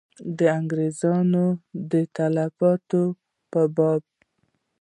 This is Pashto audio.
د انګرېزیانو د تلفاتو په باب.